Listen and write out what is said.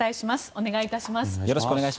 お願いいたします。